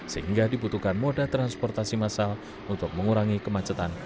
sehingga dibutuhkan moda transportasi massal untuk mengurangi kemacetan